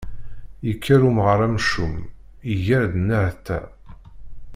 Yekker umɣar amcum, iger-d nnehta.